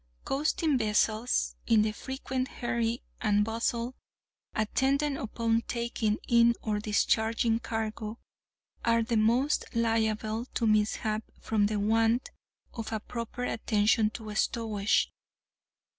Coasting vessels, in the frequent hurry and bustle attendant upon taking in or discharging cargo, are the most liable to mishap from the want of a proper attention to stowage.